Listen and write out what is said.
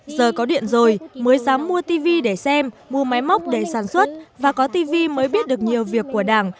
giờ có điện rồi mới dám mua tv để xem mua máy móc để sản xuất và có tv mới biết được nhiều việc của đảng